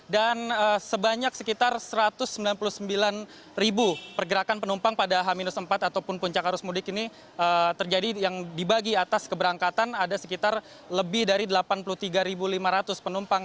dan sebanyak sekitar satu ratus sembilan puluh sembilan ribu pergerakan penumpang pada h empat ataupun puncak arus mudik ini terjadi yang dibagi atas keberangkatan ada sekitar lebih dari delapan puluh tiga lima ratus penumpang